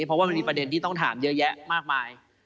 เพราะว่ามันมีประเด็นที่ต้องถามเยอะแยะมากมาย